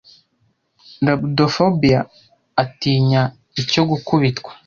Rabudophobia atinya icyo Gukubitwa